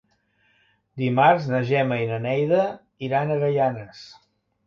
Dimarts na Gemma i na Neida iran a Gaianes.